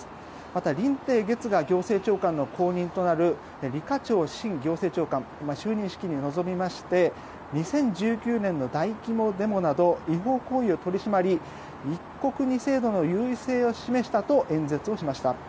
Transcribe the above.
またリンテイ・ゲツガ行政長官の後任となるリ・カチョウ新行政長官就任式に臨みまして２０１９年の大規模デモなど違法行為を取り締まり一国二制度の優位性を示したと演説をしました。